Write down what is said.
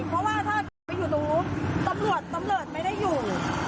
เพราะว่าถ้าหนูไปอยู่ตรงนู้นตำรวจตำรวจไม่ได้อยู่